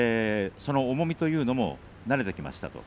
その重みというのにも慣れてきました。